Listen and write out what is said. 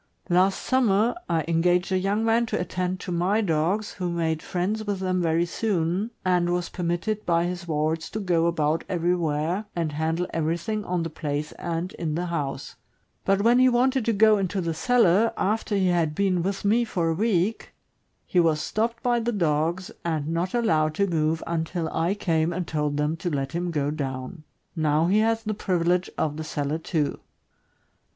Last summer, I engaged a young man to attend to my dogs, who made friends with them very soon, and was permitted by his wards to go about everywhere, and handle everything on the place and in the house; but when he wanted to go into the cellar, after he had been with me for a week, he was stopped by the dogs, and not allowed to move until I came and told them to let him go down. Now he has the privilege of the cellar, too.